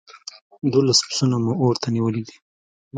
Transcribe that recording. دوولس پسونه مو اور ته نيولي دي.